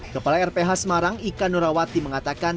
kepala rph semarang ika nurawati mengatakan